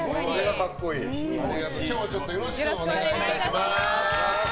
今日はよろしくお願いいたします。